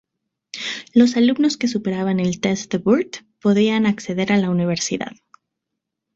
Los alumnos que superaban el test de Burt podían acceder a la universidad.